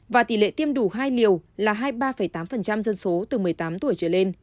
và tỷ lệ tiêm đủ hai liều là hai mươi ba tám dân số từ một mươi tám tuổi trở lên